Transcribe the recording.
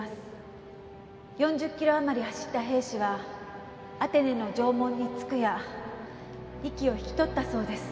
「４０キロ余り走った兵士はアテネの城門に着くや息を引き取ったそうです」